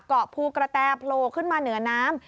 เกาะภูกระแตโผล่ขึ้นมาเหนือน้ำ